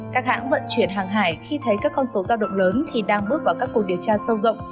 các hãng vận chuyển hàng hải khi thấy các con số giao động lớn thì đang bước vào các cuộc điều tra sâu rộng